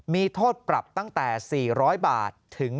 มีโทษปรับตั้งแต่๔๐๐๑๐๐๐บาท